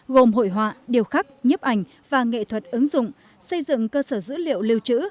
gồm hội họa điều khắc nhấp ảnh và nghệ thuật ứng dụng xây dựng cơ sở dữ liệu lưu trữ